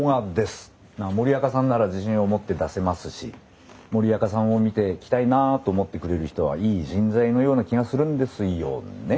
森若さんなら自信を持って出せますし森若さんを見て来たいなと思ってくれる人はいい人材のような気がするんですよね。